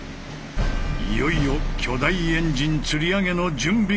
いよいよ巨大エンジンつり上げの準備が整った。